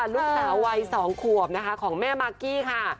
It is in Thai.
ลูกสาววัย๒ขวบนะคะของแม่มากกี้ค่ะ